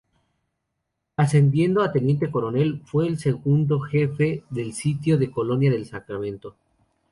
Ascendido a teniente coronel, fue el segundo jefe del sitio de Colonia del Sacramento.